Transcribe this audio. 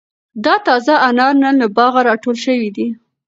دا تازه انار نن له باغه را ټول شوي دي.